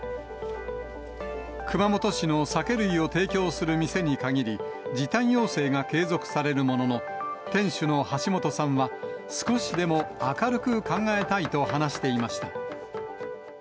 熊本市の酒類を提供する店に限り、時短要請が継続されるものの、店主の橋本さんは少しでも明るく考えたいと話していました。